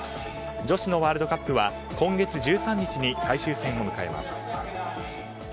女子のワールドカップは今月１３日に最終戦を迎えます。